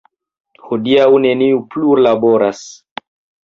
Hodiaŭ neniu plu laboras.